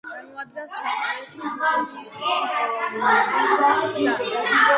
წარმოადგენს ჩაპარეს პროვინციის მთავარ საწყალოსნო გზას.